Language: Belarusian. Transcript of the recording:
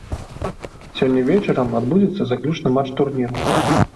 Сёння вечарам адбудзецца заключны матч турніру.